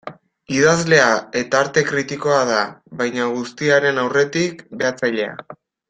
Idazlea eta arte kritikoa da, baina guztiaren aurretik, behatzailea.